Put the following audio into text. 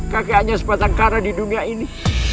kakek hanya sebatang kara di dunia ini